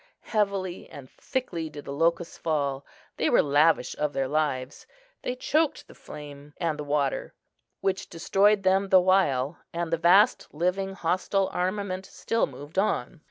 Heavily and thickly did the locusts fall: they were lavish of their lives; they choked the flame and the water, which destroyed them the while, and the vast living hostile armament still moved on.